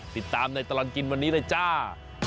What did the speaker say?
ติดตามในตลอดกินวันนี้เลยจ้า